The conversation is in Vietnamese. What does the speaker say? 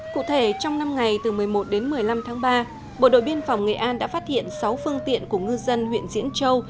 cụ thể trong năm ngày từ một mươi một đến một mươi năm tháng ba bộ đội biên phòng nghệ an đã phát hiện sáu phương tiện của ngư dân huyện diễn châu